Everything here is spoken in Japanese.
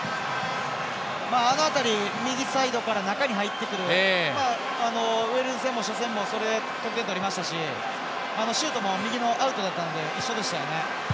あの辺り右サイドから中に入ってくるウェールズ戦も初戦もそれで得点取りましたしシュートも右のアウトだったので一緒でしたよね。